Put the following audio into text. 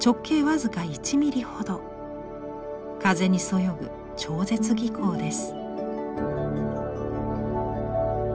風にそよぐ超絶技巧です。